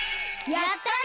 やったね！